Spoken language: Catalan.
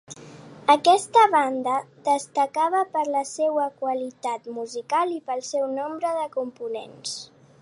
Aquesta banda destacava per la seua qualitat musical i pel seu nombre de components.